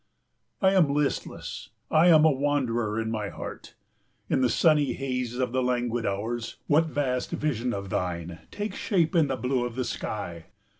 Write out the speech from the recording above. I am listless, I am a wanderer in my heart. In the sunny haze of the languid hours, what vast vision of thine takes shape in the blue of the sky!